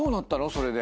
それで。